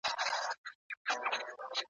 د زمان هري شېبې ته انتها سته `